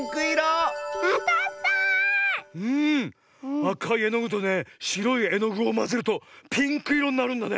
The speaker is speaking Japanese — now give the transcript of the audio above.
あかいえのぐとねしろいえのぐをまぜるとピンクいろになるんだね。